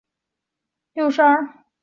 卒年六十二。